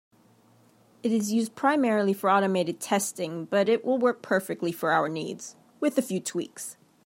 It is used primarily for automated testing, but it will work perfectly for our needs, with a few tweaks.